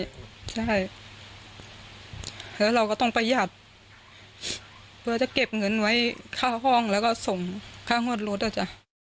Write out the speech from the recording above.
ใช่แล้วเราก็ต้องประหยัดเพื่อจะเก็บเงินไว้ค่าห้องแล้วก็ส่งค่างวดรถอ่ะจ้ะ